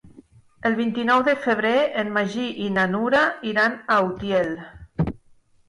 El vint-i-nou de febrer en Magí i na Nura iran a Utiel.